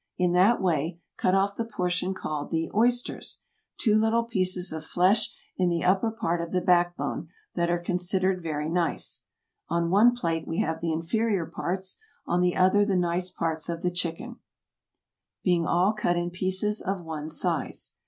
In that way, cut off the portion called the "oysters," two little pieces of flesh in the upper part of the back bone, that are considered very nice. On one plate we have the inferior parts, on the other the nice parts of the chicken, being all cut in pieces of one size.